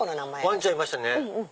わんちゃんいましたね。